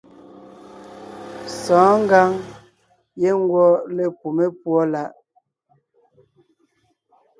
Sɔ̌ɔn ngǎŋ giŋ ngwɔ́ lepumé púɔ láʼ.